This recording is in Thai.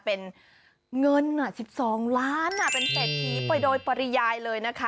เป็นเงิน๑๒ล้านเป็นเศรษฐีไปโดยปริยายเลยนะคะ